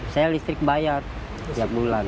saya listrik bayar setiap bulan